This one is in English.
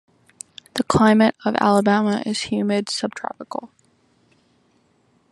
The climate of Alabama is humid subtropical.